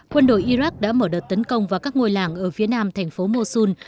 quân đội iraq đã mở đợt tấn công vào các ngôi làng ở phía nam thành phố mosun